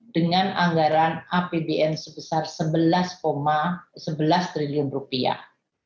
dengan anggaran apbn sebesar sebelas sebelas triliun rupiah